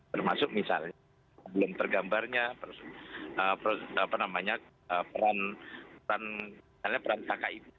termasuk misalnya belum tergambarnya perantakan itu